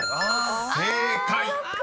［正解］